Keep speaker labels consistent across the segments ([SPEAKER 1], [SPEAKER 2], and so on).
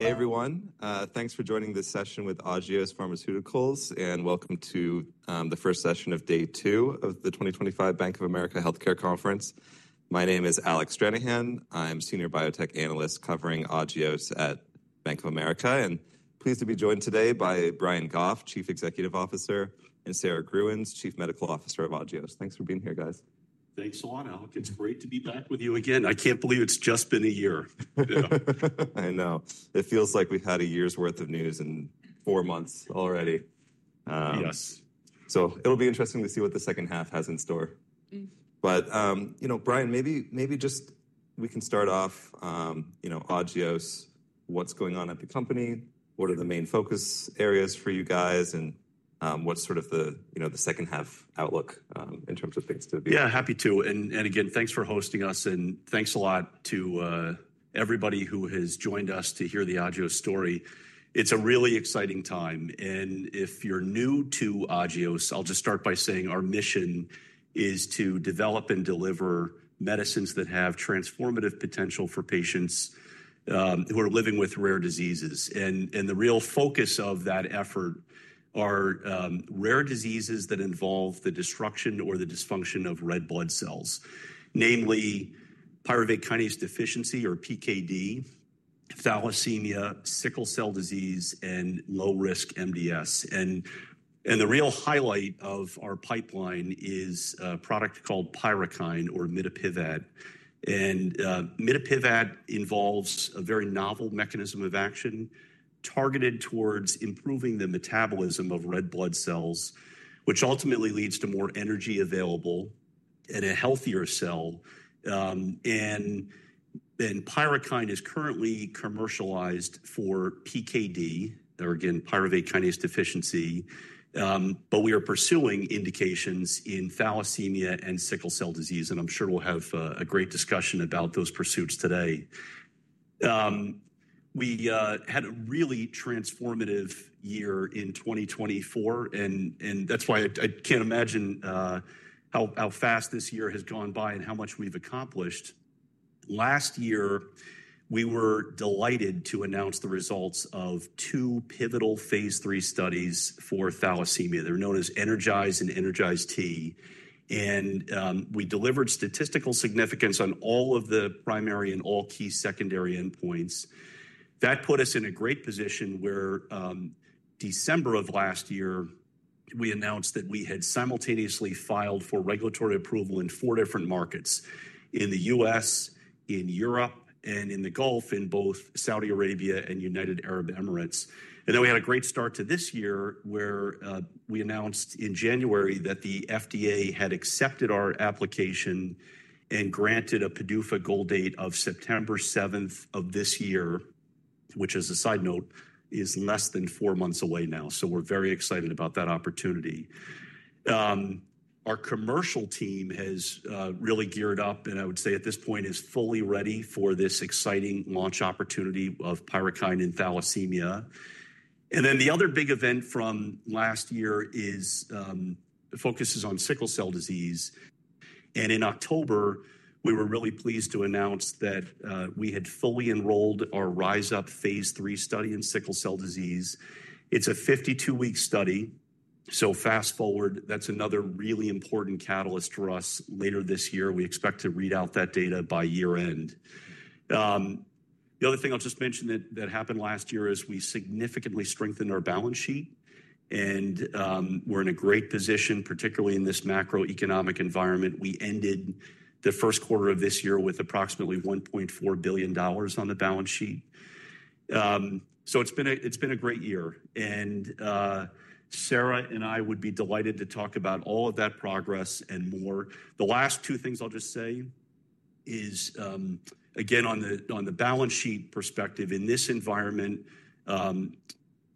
[SPEAKER 1] Hey everyone, thanks for joining this session with Agios Pharmaceuticals, and welcome to the first session of day two of the 2025 Bank of America Healthcare Conference. My name is Alex Stranahan. I'm a Senior Biotech Analyst covering Agios at Bank of America, and I'm pleased to be joined today by Brian Goff, Chief Executive Officer, and Sarah Gheuens, Chief Medical Officer of Agios. Thanks for being here, guys.
[SPEAKER 2] Thanks a lot, Alex. It's great to be back with you again. I can't believe it's just been a year.
[SPEAKER 1] I know. It feels like we've had a year's worth of news in four months already.
[SPEAKER 2] Yes.
[SPEAKER 1] It'll be interesting to see what the second half has in store. You know, Brian, maybe just we can start off, you know, Agios, what's going on at the company? What are the main focus areas for you guys, and what's sort of the, you know, the second half outlook in terms of things to be?
[SPEAKER 2] Yeah, happy to. Again, thanks for hosting us, and thanks a lot to everybody who has joined us to hear the Agios story. It's a really exciting time. If you're new to Agios, I'll just start by saying our mission is to develop and deliver medicines that have transformative potential for patients who are living with rare diseases. The real focus of that effort are rare diseases that involve the destruction or the dysfunction of red blood cells, namely pyruvate kinase deficiency, or PKD, thalassemia, sickle cell disease, and low-risk MDS. The real highlight of our pipeline is a product called PYRUKYND, or mitapivat. Mitapivat involves a very novel mechanism of action targeted towards improving the metabolism of red blood cells, which ultimately leads to more energy available and a healthier cell. PYRUKYND is currently commercialized for PKD, or again, pyruvate kinase deficiency, but we are pursuing indications in thalassemia and sickle cell disease, and I'm sure we'll have a great discussion about those pursuits today. We had a really transformative year in 2024, and that's why I can't imagine how fast this year has gone by and how much we've accomplished. Last year, we were delighted to announce the results of two pivotal phase III studies for thalassemia. They're known as ENERGIZE and ENERGIZE-T. We delivered statistical significance on all of the primary and all key secondary endpoints. That put us in a great position where December of last year, we announced that we had simultaneously filed for regulatory approval in four different markets: in the U.S., in Europe, and in the Gulf, in both Saudi Arabia and the United Arab Emirates. We had a great start to this year where we announced in January that the FDA had accepted our application and granted a PDUFA goal date of September 7th of this year, which, as a side note, is less than four months away now. We are very excited about that opportunity. Our commercial team has really geared up, and I would say at this point is fully ready for this exciting launch opportunity of PYRUKYND in thalassemia. The other big event from last year focuses on sickle cell disease. In October, we were really pleased to announce that we had fully enrolled our RISE UP phase III study in sickle cell disease. It is a 52-week study. Fast forward, that is another really important catalyst for us later this year. We expect to read out that data by year-end. The other thing I'll just mention that happened last year is we significantly strengthened our balance sheet, and we're in a great position, particularly in this macroeconomic environment. We ended the first quarter of this year with approximately $1.4 billion on the balance sheet. It's been a great year. Sarah and I would be delighted to talk about all of that progress and more. The last two things I'll just say is, again, on the balance sheet perspective, in this environment,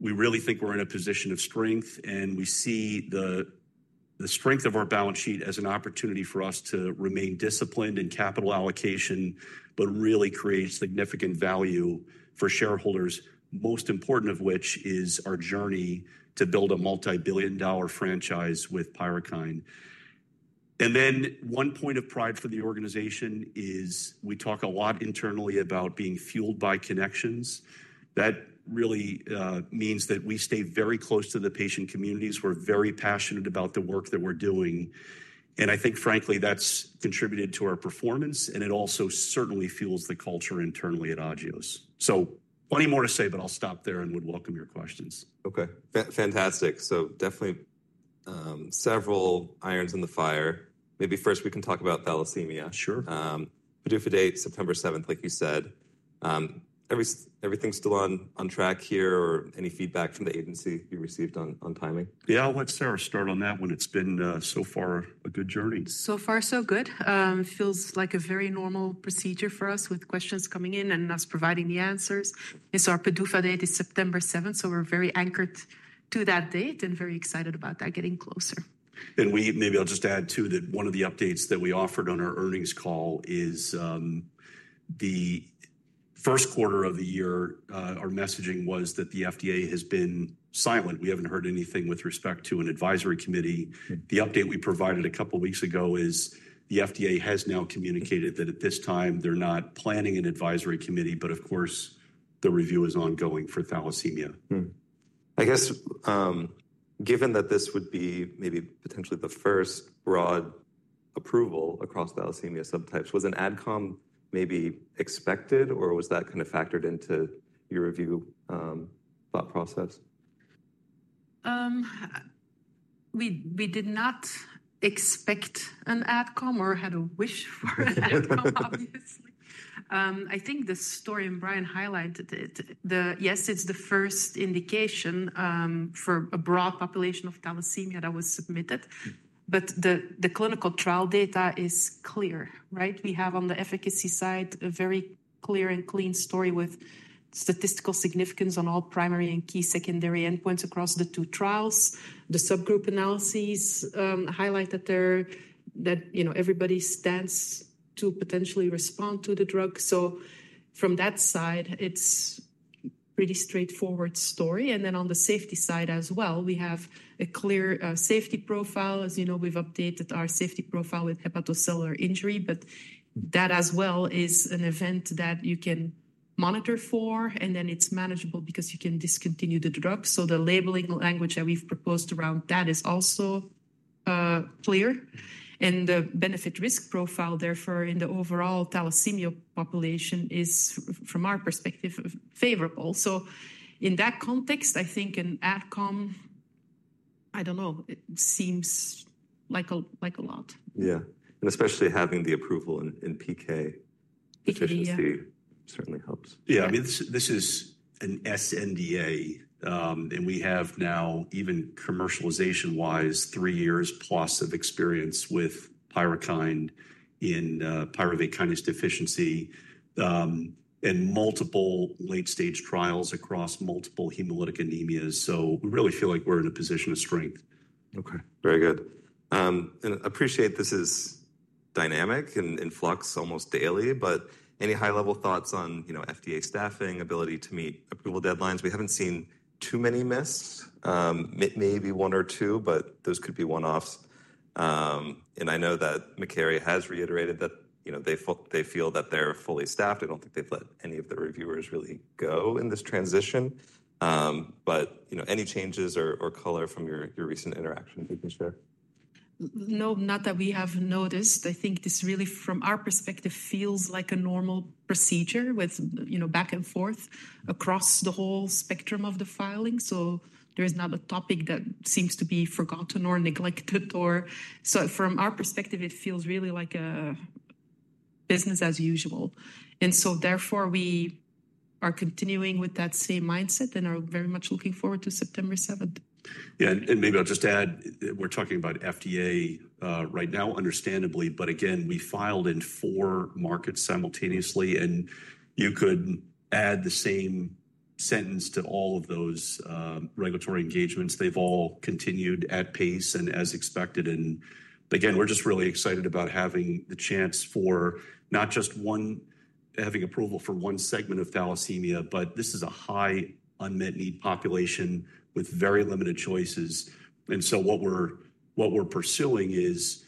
[SPEAKER 2] we really think we're in a position of strength, and we see the strength of our balance sheet as an opportunity for us to remain disciplined in capital allocation, but really create significant value for shareholders, most important of which is our journey to build a multi-billion dollar franchise with PYRUKYND. One point of pride for the organization is we talk a lot internally about being fueled by connections. That really means that we stay very close to the patient communities. We're very passionate about the work that we're doing. I think, frankly, that's contributed to our performance, and it also certainly fuels the culture internally at Agios. Plenty more to say, but I'll stop there and would welcome your questions.
[SPEAKER 1] Okay. Fantastic. So definitely several irons in the fire. Maybe first we can talk about thalassemia.
[SPEAKER 2] Sure.
[SPEAKER 1] PDUFA date, September 7th, like you said. Everything's still on track here, or any feedback from the agency you received on timing?
[SPEAKER 2] Yeah, I'll let Sarah start on that one. It's been so far a good journey.
[SPEAKER 3] So far, so good. It feels like a very normal procedure for us with questions coming in and us providing the answers. Our PDUFA date is September 7th, so we're very anchored to that date and very excited about that getting closer.
[SPEAKER 2] Maybe I'll just add too that one of the updates that we offered on our earnings call is the first quarter of the year, our messaging was that the FDA has been silent. We haven't heard anything with respect to an advisory committee. The update we provided a couple of weeks ago is the FDA has now communicated that at this time, they're not planning an advisory committee, but of course, the review is ongoing for thalassemia.
[SPEAKER 1] I guess, given that this would be maybe potentially the first broad approval across thalassemia subtypes, was an AdCom maybe expected, or was that kind of factored into your review thought process?
[SPEAKER 3] We did not expect an AdCom or had a wish for an AdCom, obviously. I think the story and Brian highlighted it. Yes, it's the first indication for a broad population of thalassemia that was submitted, but the clinical trial data is clear, right? We have on the efficacy side a very clear and clean story with statistical significance on all primary and key secondary endpoints across the two trials. The subgroup analyses highlight that everybody stands to potentially respond to the drug. From that side, it's a pretty straightforward story. On the safety side as well, we have a clear safety profile. As you know, we've updated our safety profile with hepatocellular injury, but that as well is an event that you can monitor for, and then it's manageable because you can discontinue the drug. The labeling language that we've proposed around that is also clear. The benefit-risk profile, therefore, in the overall thalassemia population is, from our perspective, favorable. In that context, I think an AdCom, I don't know, it seems like a lot.
[SPEAKER 1] Yeah. Especially having the approval in PKD certainly helps.
[SPEAKER 2] Yeah, I mean, this is an sNDA, and we have now, even commercialization-wise, three years-plus of experience with PYRUKYND in pyruvate kinase deficiency and multiple late-stage trials across multiple hemolytic anemias. So we really feel like we're in a position of strength.
[SPEAKER 1] Okay. Very good. I appreciate this is dynamic and in flux almost daily, but any high-level thoughts on FDA staffing, ability to meet approval deadlines? We have not seen too many misses, maybe one or two, but those could be one-offs. I know that Makary has reiterated that they feel that they are fully staffed. I do not think they have let any of the reviewers really go in this transition. Any changes or color from your recent interaction that you can share?
[SPEAKER 3] No, not that we have noticed. I think this really, from our perspective, feels like a normal procedure with back and forth across the whole spectrum of the filing. There is not a topic that seems to be forgotten or neglected. From our perspective, it feels really like a business as usual. Therefore, we are continuing with that same mindset and are very much looking forward to September 7th.
[SPEAKER 2] Yeah. Maybe I'll just add, we're talking about FDA right now, understandably, but again, we filed in four markets simultaneously, and you could add the same sentence to all of those regulatory engagements. They've all continued at pace and as expected. Again, we're just really excited about having the chance for not just one, having approval for one segment of thalassemia, but this is a high unmet need population with very limited choices. What we're pursuing is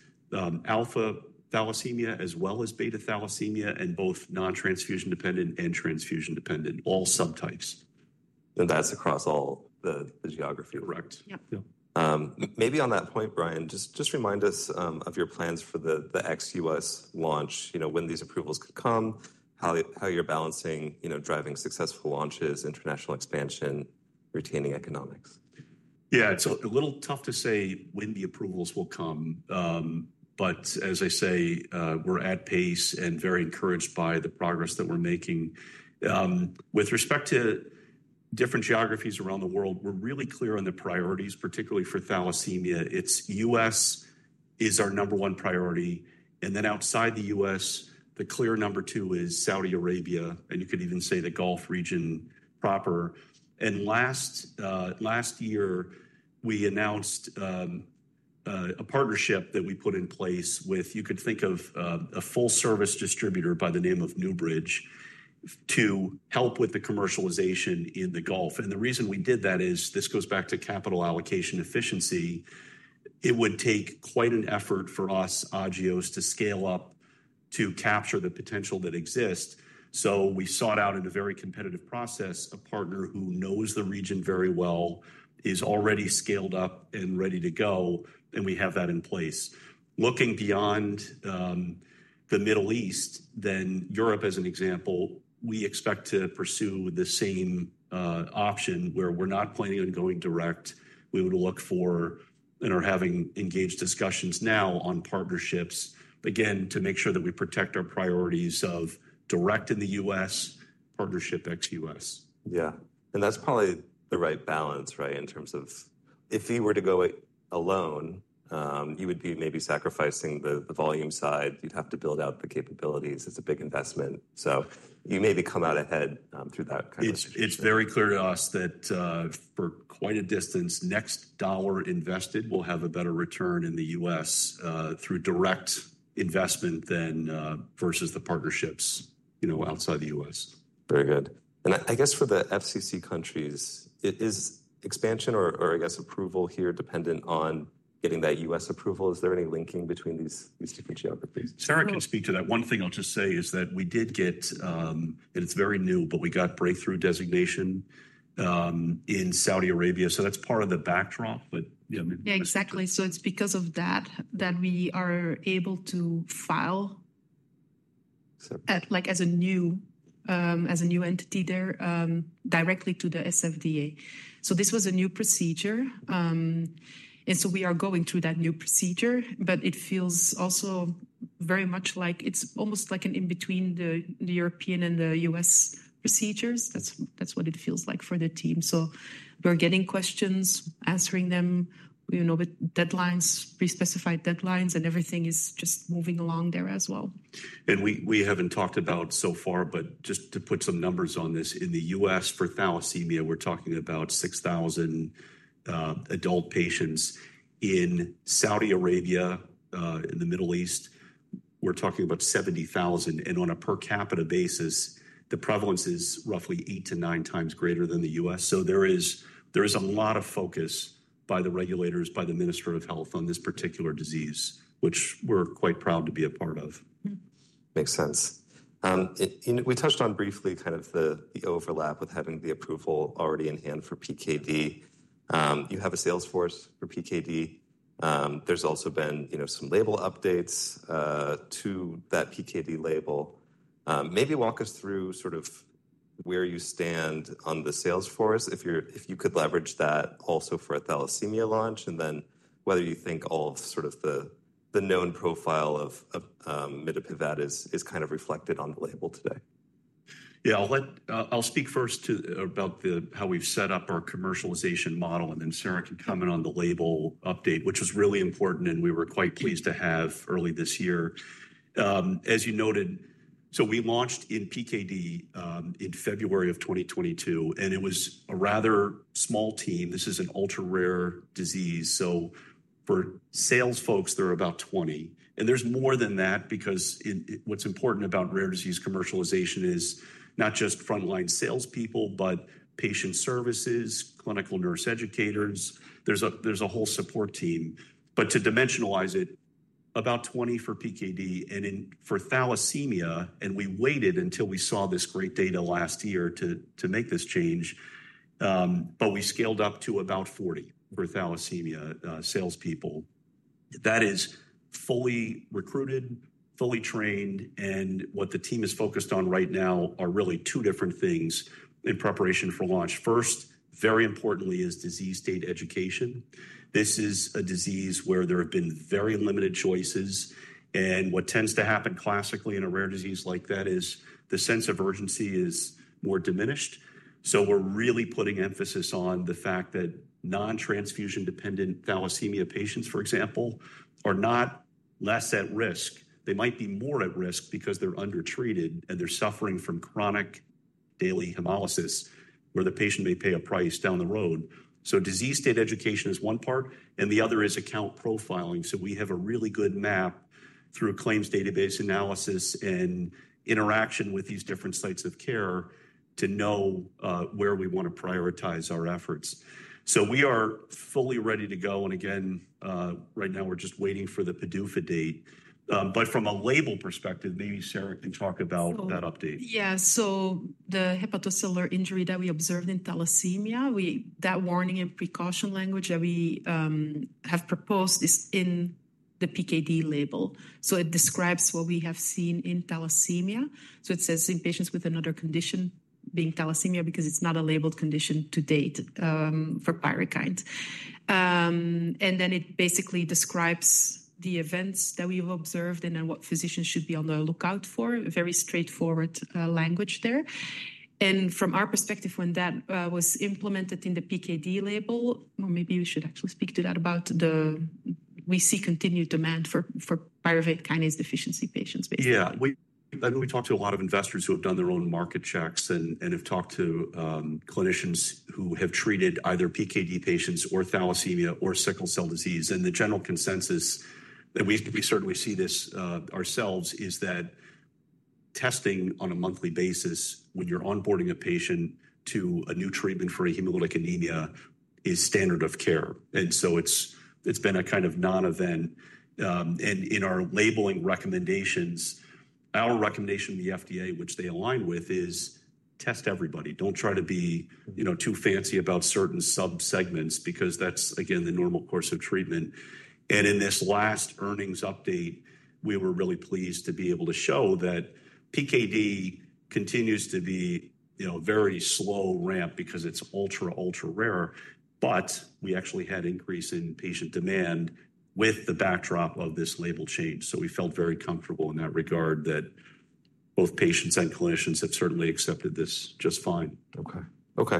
[SPEAKER 2] alpha thalassemia as well as beta thalassemia and both non-transfusion dependent and transfusion dependent, all subtypes.
[SPEAKER 1] That is across all the geography.
[SPEAKER 2] Correct.
[SPEAKER 3] Yeah.
[SPEAKER 1] Maybe on that point, Brian, just remind us of your plans for the ex-U.S. launch, when these approvals could come, how you're balancing driving successful launches, international expansion, retaining economics.
[SPEAKER 2] Yeah, it's a little tough to say when the approvals will come, but as I say, we're at pace and very encouraged by the progress that we're making. With respect to different geographies around the world, we're really clear on the priorities, particularly for thalassemia. U.S. is our number one priority. Then outside the U.S., the clear number two is Saudi Arabia, and you could even say the Gulf region proper. Last year, we announced a partnership that we put in place with, you could think of a full-service distributor by the name of NewBridge to help with the commercialization in the Gulf. The reason we did that is this goes back to capital allocation efficiency. It would take quite an effort for us, Agios, to scale up to capture the potential that exists. We sought out in a very competitive process a partner who knows the region very well, is already scaled up and ready to go, and we have that in place. Looking beyond the Middle East, then Europe as an example, we expect to pursue the same option where we're not planning on going direct. We would look for and are having engaged discussions now on partnerships, again, to make sure that we protect our priorities of direct in the US, partnership ex-U.S.
[SPEAKER 1] Yeah. That's probably the right balance, right, in terms of if he were to go alone, you would be maybe sacrificing the volume side. You'd have to build out the capabilities. It's a big investment. You maybe come out ahead through that kind of.
[SPEAKER 2] It's very clear to us that for quite a distance, next dollar invested will have a better return in the U.S. through direct investment versus the partnerships outside the U.S.
[SPEAKER 1] Very good. I guess for the FCC countries, is expansion or, I guess, approval here dependent on getting that U.S. approval? Is there any linking between these different geographies?
[SPEAKER 2] Sarah can speak to that. One thing I'll just say is that we did get, and it's very new, but we got breakthrough designation in Saudi Arabia. That is part of the backdrop, but.
[SPEAKER 3] Yeah, exactly. It is because of that that we are able to file as a new entity there directly to the SFDA. This was a new procedure. We are going through that new procedure, but it feels also very much like it is almost like an in-between the European and the U.S. procedures. That is what it feels like for the team. We are getting questions, answering them, deadlines, pre-specified deadlines, and everything is just moving along there as well.
[SPEAKER 2] We have not talked about so far, but just to put some numbers on this, in the U.S. for thalassemia, we are talking about 6,000 adult patients. In Saudi Arabia, in the Middle East, we are talking about 70,000. On a per capita basis, the prevalence is roughly 8x-9x greater than the U.S. There is a lot of focus by the regulators, by the Minister of Health on this particular disease, which we are quite proud to be a part of.
[SPEAKER 1] Makes sense. We touched on briefly kind of the overlap with having the approval already in hand for PKD. You have a Salesforce for PKD. There's also been some label updates to that PKD label. Maybe walk us through sort of where you stand on the Salesforce, if you could leverage that also for a thalassemia launch, and then whether you think all sort of the known profile of mitapivat is kind of reflected on the label today.
[SPEAKER 2] Yeah, I'll speak first about how we've set up our commercialization model, and then Sarah can comment on the label update, which was really important, and we were quite pleased to have early this year. As you noted, we launched in PKD in February of 2022, and it was a rather small team. This is an ultra-rare disease. For sales folks, there are about 20. There's more than that because what's important about rare disease commercialization is not just frontline salespeople, but patient services, clinical nurse educators. There's a whole support team. To dimensionalize it, about 20 for PKD. For thalassemia, and we waited until we saw this great data last year to make this change, we scaled up to about 40 for thalassemia salespeople. That is fully recruited, fully trained, and what the team is focused on right now are really two different things in preparation for launch. First, very importantly, is disease state education. This is a disease where there have been very limited choices. What tends to happen classically in a rare disease like that is the sense of urgency is more diminished. We are really putting emphasis on the fact that non-transfusion dependent thalassemia patients, for example, are not less at risk. They might be more at risk because they are undertreated and they are suffering from chronic daily hemolysis where the patient may pay a price down the road. Disease state education is one part, and the other is account profiling. We have a really good map through claims database analysis and interaction with these different sites of care to know where we want to prioritize our efforts. We are fully ready to go. Again, right now, we're just waiting for the PDUFA date. From a label perspective, maybe Sarah can talk about that update.
[SPEAKER 3] Yeah. The hepatocellular injury that we observed in thalassemia, that warning and precaution language that we have proposed is in the PKD label. It describes what we have seen in thalassemia. It says in patients with another condition being thalassemia because it's not a labeled condition to date for PYRUKYND. It basically describes the events that we've observed and then what physicians should be on the lookout for, very straightforward language there. From our perspective, when that was implemented in the PKD label, or maybe we should actually speak to that, we see continued demand for pyruvate kinase deficiency patients, basically.
[SPEAKER 2] Yeah. We talked to a lot of investors who have done their own market checks and have talked to clinicians who have treated either PKD patients or thalassemia or sickle cell disease. The general consensus that we certainly see this ourselves is that testing on a monthly basis when you're onboarding a patient to a new treatment for a hemolytic anemia is standard of care. It has been a kind of non-event. In our labeling recommendations, our recommendation to the FDA, which they align with, is test everybody. Don't try to be too fancy about certain subsegments because that's, again, the normal course of treatment. In this last earnings update, we were really pleased to be able to show that PKD continues to be a very slow ramp because it is ultra, ultra rare, but we actually had increase in patient demand with the backdrop of this label change. We felt very comfortable in that regard that both patients and clinicians have certainly accepted this just fine.
[SPEAKER 1] Okay. Okay.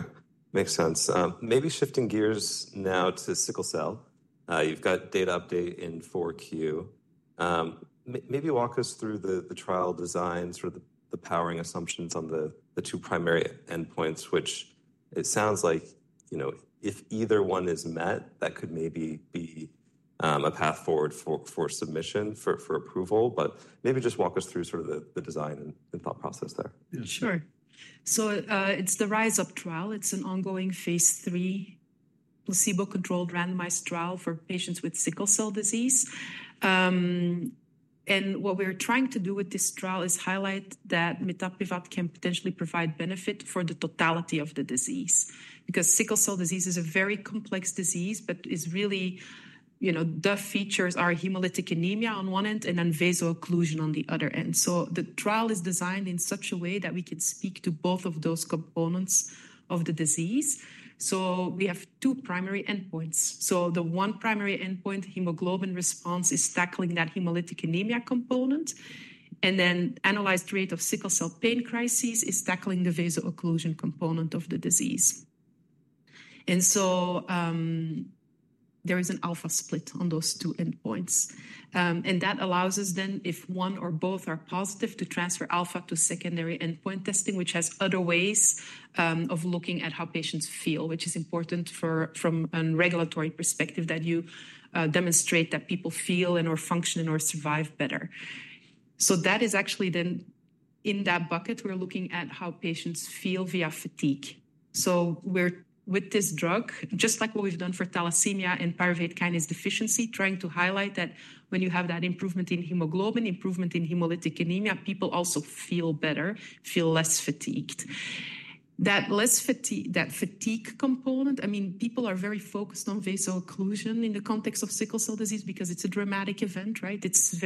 [SPEAKER 1] Makes sense. Maybe shifting gears now to sickle cell. You've got data update in 4Q. Maybe walk us through the trial design, sort of the powering assumptions on the two primary endpoints, which it sounds like if either one is met, that could maybe be a path forward for submission for approval. Maybe just walk us through sort of the design and thought process there.
[SPEAKER 3] Sure. It is the RISE UP trial. It is an ongoing phase III placebo-controlled randomized trial for patients with sickle cell disease. What we are trying to do with this trial is highlight that mitapivat can potentially provide benefit for the totality of the disease because sickle cell disease is a very complex disease, but its really tough features are hemolytic anemia on one end and then vaso-occlusion on the other end. The trial is designed in such a way that we can speak to both of those components of the disease. We have two primary endpoints. The one primary endpoint, hemoglobin response, is tackling that hemolytic anemia component. Analyzed rate of sickle cell pain crises is tackling the vaso-occlusion component of the disease. There is an alpha split on those two endpoints. That allows us then, if one or both are positive, to transfer alpha to secondary endpoint testing, which has other ways of looking at how patients feel, which is important from a regulatory perspective that you demonstrate that people feel and or function or survive better. That is actually then in that bucket, we're looking at how patients feel via fatigue. With this drug, just like what we've done for thalassemia and pyruvate kinase deficiency, trying to highlight that when you have that improvement in hemoglobin, improvement in hemolytic anemia, people also feel better, feel less fatigued. That fatigue component, I mean, people are very focused on vaso-occlusion in the context of sickle cell disease because it's a dramatic event, right? It's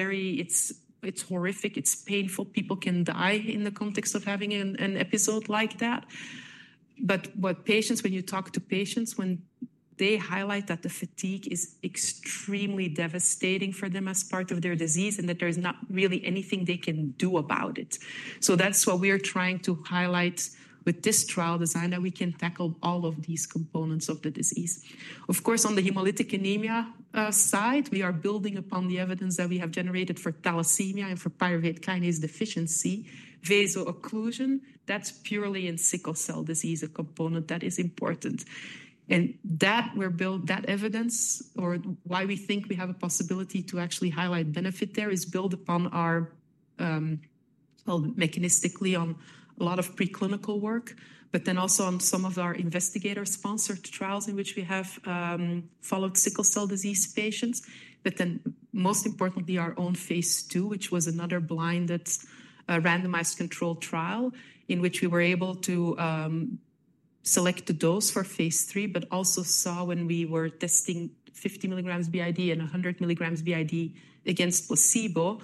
[SPEAKER 3] horrific. It's painful. People can die in the context of having an episode like that. When you talk to patients, they highlight that the fatigue is extremely devastating for them as part of their disease and that there's not really anything they can do about it. That's what we are trying to highlight with this trial design, that we can tackle all of these components of the disease. Of course, on the hemolytic anemia side, we are building upon the evidence that we have generated for thalassemia and for pyruvate kinase deficiency, vaso-occlusion. That's purely in sickle cell disease, a component that is important. That evidence, or why we think we have a possibility to actually highlight benefit there, is built upon, mechanistically, on a lot of preclinical work, but then also on some of our investigator-sponsored trials in which we have followed sickle cell disease patients. But then most importantly, our own phase II, which was another blinded randomized control trial in which we were able to select the dose for phase III, but also saw when we were testing 50 mg BID and 100 mg BID against placebo,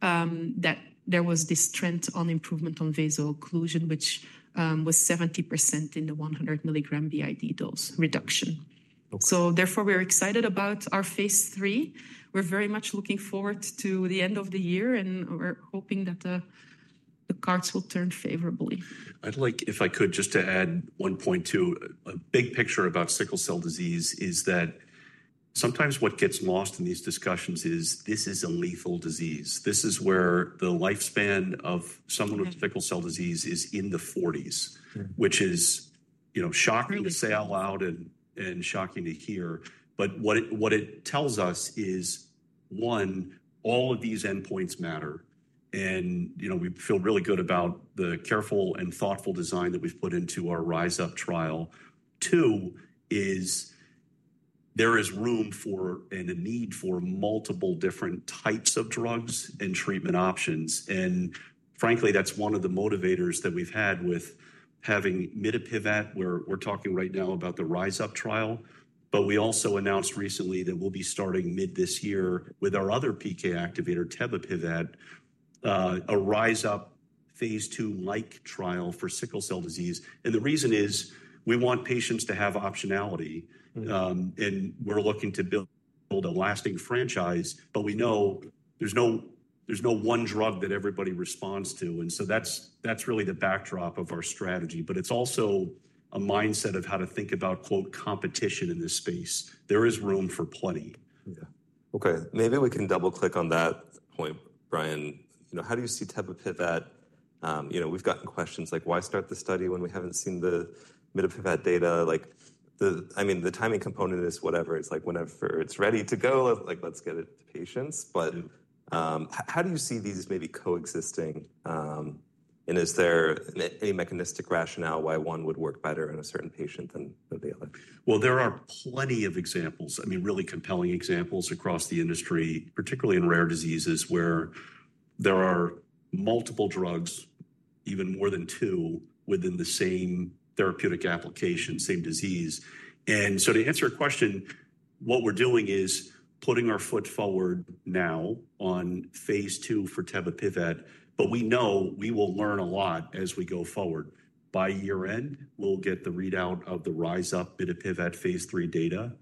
[SPEAKER 3] that there was this trend on improvement on vaso-occlusion, which was 70% in the 100 mg BID dose reduction. Therefore, we're excited about our phase III. We're very much looking forward to the end of the year, and we're hoping that the cards will turn favorably.
[SPEAKER 2] I'd like, if I could, just to add one point to a big picture about sickle cell disease is that sometimes what gets lost in these discussions is this is a lethal disease. This is where the lifespan of someone with sickle cell disease is in the 40s, which is shocking to say out loud and shocking to hear. What it tells us is, one, all of these endpoints matter. We feel really good about the careful and thoughtful design that we've put into our RISE UP trial. Two is there is room for and a need for multiple different types of drugs and treatment options. Frankly, that's one of the motivators that we've had with having mitapivat, where we're talking right now about the RISE UP trial. We also announced recently that we'll be starting mid this year with our other PK activator, tebapivat, a RISE UP phase II like trial for sickle cell disease. The reason is we want patients to have optionality. We're looking to build a lasting franchise, but we know there's no one drug that everybody responds to. That's really the backdrop of our strategy. It's also a mindset of how to think about, quote, competition in this space. There is room for plenty.
[SPEAKER 1] Yeah. Okay. Maybe we can double-click on that point, Brian. How do you see tebapivat? We've gotten questions like, why start the study when we haven't seen the mitapivat data? I mean, the timing component is whatever. It's like whenever it's ready to go, let's get it to patients. How do you see these maybe coexisting? Is there any mechanistic rationale why one would work better in a certain patient than the other?
[SPEAKER 2] There are plenty of examples, I mean, really compelling examples across the industry, particularly in rare diseases where there are multiple drugs, even more than two, within the same therapeutic application, same disease. To answer your question, what we're doing is putting our foot forward now on phase II for tebapivat. We know we will learn a lot as we go forward. By year-end, we'll get the readout of the RISE UP mitapivat phase III data.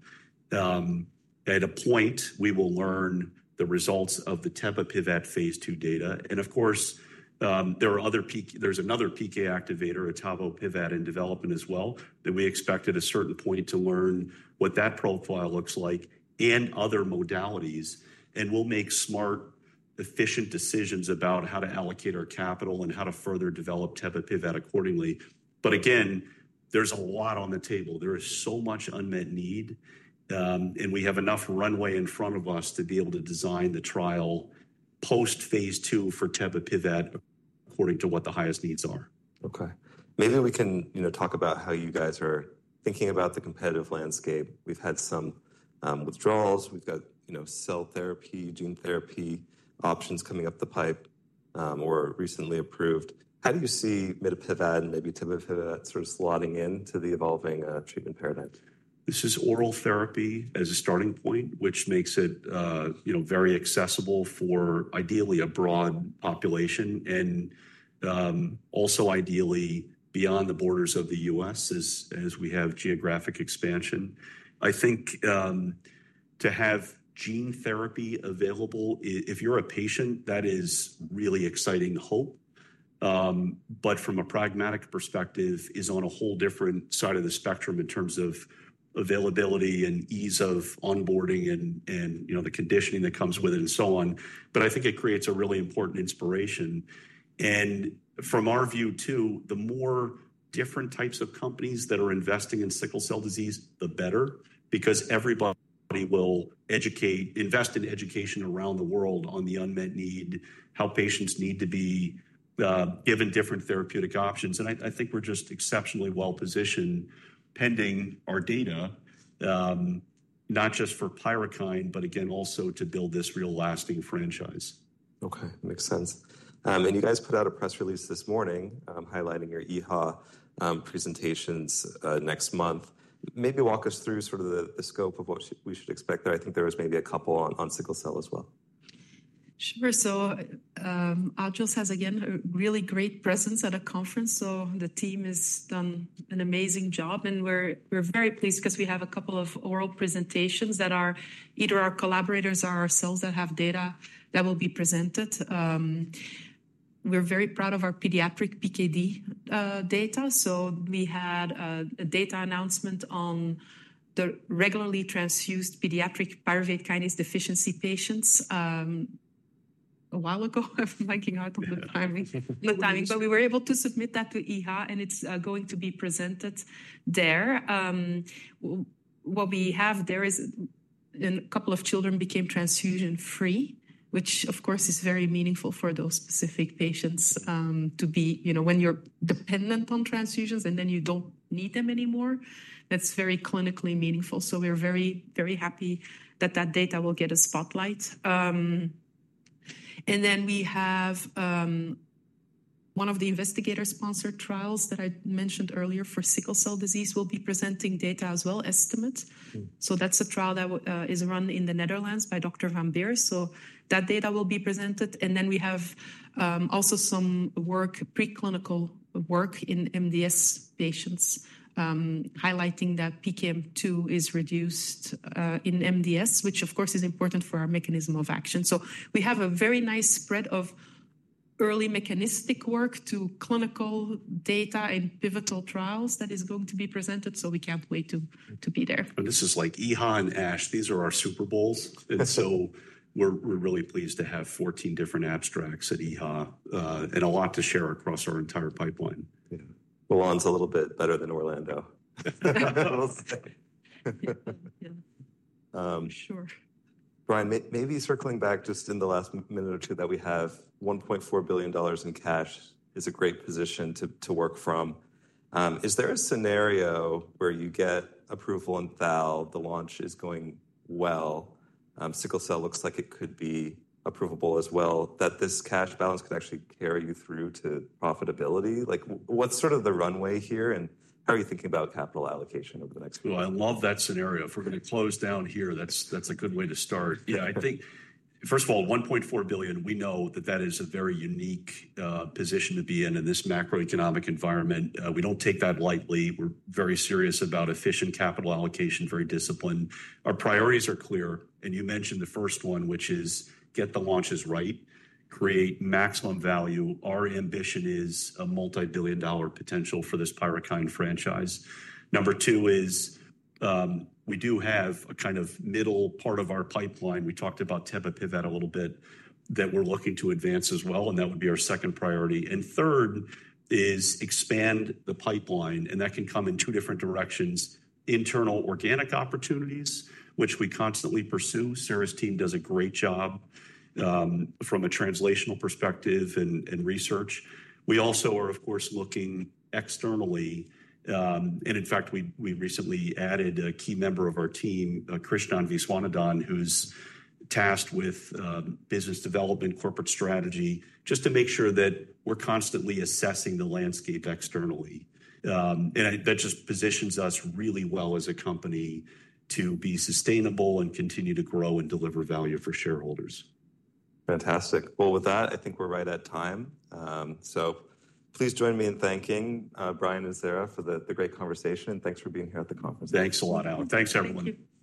[SPEAKER 2] At a point, we will learn the results of the tebapivat phase II data. Of course, there's another PK activator, tebapivat, in development as well that we expect at a certain point to learn what that profile looks like and other modalities. We'll make smart, efficient decisions about how to allocate our capital and how to further develop tebapivat accordingly. Again, there's a lot on the table. There is so much unmet need, and we have enough runway in front of us to be able to design the trial post phase II for tebapivat according to what the highest needs are.
[SPEAKER 1] Okay. Maybe we can talk about how you guys are thinking about the competitive landscape. We've had some withdrawals. We've got cell therapy, gene therapy options coming up the pipe or recently approved. How do you see mitapivat and maybe tebapivat sort of slotting into the evolving treatment paradigm?
[SPEAKER 2] This is oral therapy as a starting point, which makes it very accessible for ideally a broad population and also ideally beyond the borders of the U.S. as we have geographic expansion. I think to have gene therapy available, if you're a patient, that is really exciting hope. From a pragmatic perspective, it is on a whole different side of the spectrum in terms of availability and ease of onboarding and the conditioning that comes with it and so on. I think it creates a really important inspiration. From our view too, the more different types of companies that are investing in sickle cell disease, the better because everybody will invest in education around the world on the unmet need, how patients need to be given different therapeutic options. I think we're just exceptionally well-positioned pending our data, not just for PYRUKYND, but again, also to build this real lasting franchise.
[SPEAKER 1] Okay. Makes sense. You guys put out a press release this morning highlighting your EHA presentations next month. Maybe walk us through sort of the scope of what we should expect there. I think there was maybe a couple on sickle cell as well.
[SPEAKER 3] Sure. Agios has, again, a really great presence at a conference. The team has done an amazing job. We're very pleased because we have a couple of oral presentations that are either our collaborators or ourselves that have data that will be presented. We're very proud of our pediatric PKD data. We had a data announcement on the regularly transfused pediatric pyruvate kinase deficiency patients a while ago. I'm blanking out on the timing. We were able to submit that to EHA, and it's going to be presented there. What we have there is a couple of children became transfusion-free, which, of course, is very meaningful for those specific patients to be when you're dependent on transfusions and then you don't need them anymore. That's very clinically meaningful. We're very, very happy that that data will get a spotlight. One of the investigator-sponsored trials that I mentioned earlier for sickle cell disease will be presenting data as well, estimates. That is a trial that is run in the Netherlands by Dr. Van Beers. That data will be presented. We also have some preclinical work in MDS patients highlighting that PKM2 is reduced in MDS, which, of course, is important for our mechanism of action. We have a very nice spread of early mechanistic work to clinical data and pivotal trials that is going to be presented. We cannot wait to be there.
[SPEAKER 2] This is like EHA and ASH. These are our Super Bowls. We are really pleased to have 14 different abstracts at EHA and a lot to share across our entire pipeline.
[SPEAKER 1] Yeah. Milan's a little bit better than Orlando.
[SPEAKER 3] Sure.
[SPEAKER 1] Brian, maybe circling back just in the last minute or two that we have, $1.4 billion in cash is a great position to work from. Is there a scenario where you get approval and, you know, the launch is going well, sickle cell looks like it could be approvable as well, that this cash balance could actually carry you through to profitability? What's sort of the runway here and how are you thinking about capital allocation over the next few years?
[SPEAKER 2] I love that scenario. If we're going to close down here, that's a good way to start. Yeah, I think, first of all, $1.4 billion, we know that that is a very unique position to be in in this macroeconomic environment. We don't take that lightly. We're very serious about efficient capital allocation, very disciplined. Our priorities are clear. You mentioned the first one, which is get the launches right, create maximum value. Our ambition is a multi-billion dollar potential for this PYRUKYND franchise. Number two is we do have a kind of middle part of our pipeline. We talked about tebapivat a little bit that we're looking to advance as well. That would be our second priority. Third is expand the pipeline. That can come in two different directions. Internal organic opportunities, which we constantly pursue. Sarah's team does a great job from a translational perspective and research. We also are, of course, looking externally. In fact, we recently added a key member of our team, Krishnan Vishwanathan, who's tasked with business development, corporate strategy, just to make sure that we're constantly assessing the landscape externally. That just positions us really well as a company to be sustainable and continue to grow and deliver value for shareholders.
[SPEAKER 1] Fantastic. With that, I think we're right at time. Please join me in thanking Brian and Sarah for the great conversation. Thanks for being here at the conference.
[SPEAKER 2] Thanks a lot, Alex. Thanks, everyone.
[SPEAKER 3] Thank you.